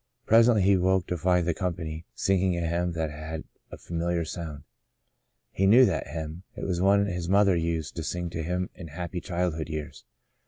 Presently he woke to find the company sing ing a hymn that had a familiar sound. He knew that hymn — it was one his mother used to sing to him in happy childhood years.